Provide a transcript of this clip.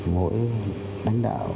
mỗi đánh đạo